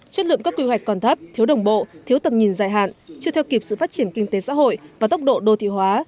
chất lượng các quy hoạch còn thấp thiếu đồng bộ thiếu tầm nhìn dài hạn chưa theo kịp sự phát triển kinh tế xã hội và tốc độ đô thị hóa